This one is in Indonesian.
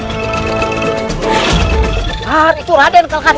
itu raden kakak